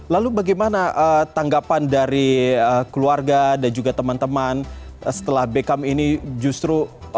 lalu bagaimana tanggapan dari keluarga dan juga teman teman setelah beckham ini justru